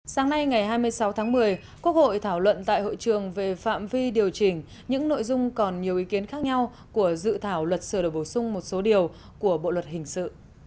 sáng nay ngày hai mươi sáu tháng một mươi quốc hội thảo luận tại hội trường về phạm vi điều chỉnh những nội dung còn nhiều ý kiến khác nhau của dự thảo luật sửa đổi bổ sung một số điều của bộ luật hình sự